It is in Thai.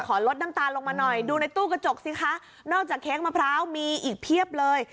ลดน้ำตาลลงมาหน่อยดูในตู้กระจกสิคะนอกจากเค้กมะพร้าวมีอีกเพียบเลย